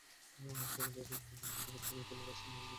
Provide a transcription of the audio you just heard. সকালে রিক্তার মৃত্যুর খবর ছড়িয়ে পড়লে স্থানীয় লোকজন পুলিশে খবর দেন।